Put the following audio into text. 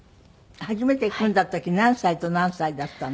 初めて組んだ時何歳と何歳だったの？